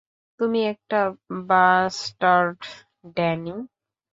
তুমি একটা bastard, Danny.